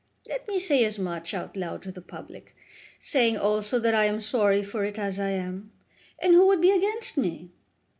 Let me say as much, out loud to the public, saying also that I am sorry for it, as I am, and who would be against me?